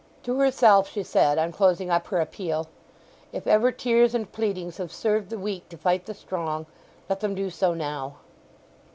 To herself she said, on closing up her appeal: "If ever tears and pleadings have served the weak to fight the strong, let them do so now!"